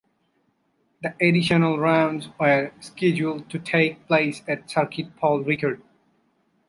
The additional rounds were scheduled to take place at Circuit Paul Ricard.